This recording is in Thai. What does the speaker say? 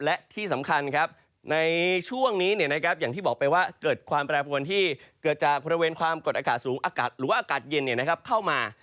และที่สำคัญครับในช่วงนี้อย่างที่บอกไปว่าเกิดความแปรปวนที่เกิดจากบริเวณความกดอากาศสูงอากาศหรือว่าอากาศเย็นเข้ามา